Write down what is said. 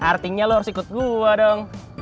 artinya lo harus ikut gua dong